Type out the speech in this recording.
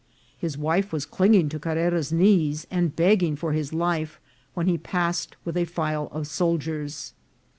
His wife was clinging to Carrera's knees, and begging for his life when he passed with a file of soldiers.